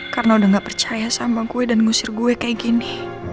karena udah gak percaya sama gue dan ngusir gue kayak gini